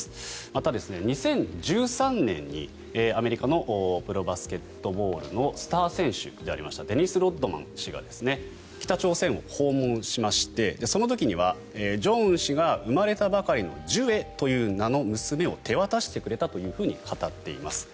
また、２０１３年にアメリカのプロバスケットボールのスター選手でありましたデニス・ロッドマン氏が北朝鮮を訪問しましてその時には正恩氏が、生まれたばかりのジュエという名の娘を手渡してくれたと語っています。